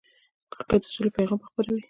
کرکټ د سولې پیغام خپروي.